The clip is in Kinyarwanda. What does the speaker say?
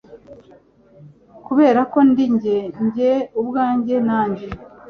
kuberako ndi njye, njye ubwanjye, na njye